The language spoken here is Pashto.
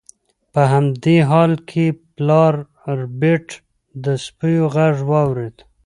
په همدې حال کې پلار ربیټ د سپیو غږ واورید